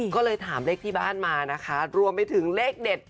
ก็เลยถามเลขที่บ้านมานะคะรวมไปถึงเลขเด็ด